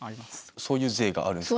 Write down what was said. そういう税があるんですか？